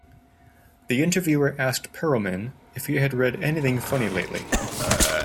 The interviewer asked Perelman if he had read anything funny lately.